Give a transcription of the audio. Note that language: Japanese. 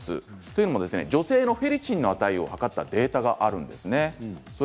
というのも女性のフェリチンの値を測ったデータがあります。